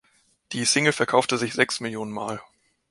Die Single verkaufte sich sechs Millionen Mal.